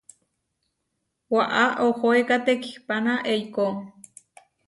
Waʼá ohóeka tekihpána eikó.